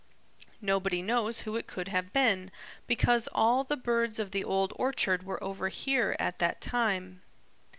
Nobody knows who it could have been, because all the birds of the Old Orchard were over here at that time.